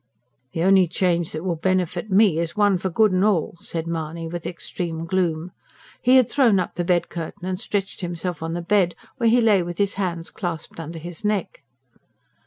"The only change that will benefit me is one for good and all," said Mahony with extreme gloom. He had thrown up the bed curtain and stretched himself on the bed, where he lay with his hands clasped under his neck.